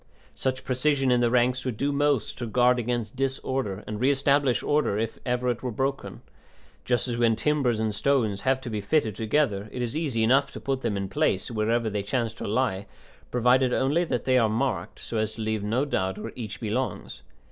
Such precision in the ranks would do most to guard against disorder and re establish order if ever it were broken; just as when timbers and stones have to be fitted together it is easy enough to put them into place, wherever they chance to lie, provided only that they are marked so as to leave no doubt where each belongs.